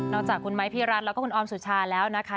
นอกจากคุณไมค์พีรันและคุณออมสุชาแล้วนะคะ